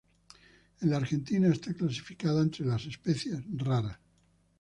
En la Argentina está clasificada entre las especies "Raras".